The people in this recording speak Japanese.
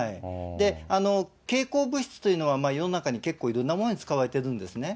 蛍光物質というのは、世の中に結構いろんなものに使われているんですね。